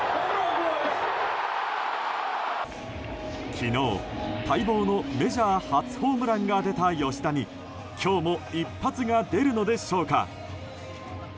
昨日、待望のメジャー初ホームランが出た吉田に今日も一発が出るのでしょうか。